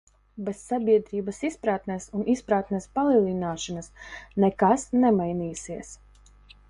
Bez sabiedrības izpratnes un izpratnes palielināšanas nekas nemainīsies.